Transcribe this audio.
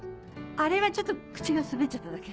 あれはちょっと口が滑っちゃっただけ。